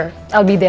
aku akan ada